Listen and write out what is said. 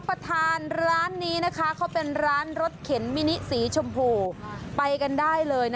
ไม่มีสารเคมีเป็นอันตราย